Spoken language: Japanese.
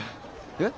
えっ？